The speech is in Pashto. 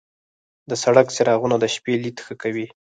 د سړک څراغونه د شپې لید ښه کوي.